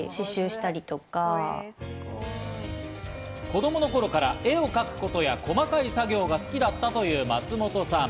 子供の頃から絵を描くことや、細かい作業が好きだったという松本さん。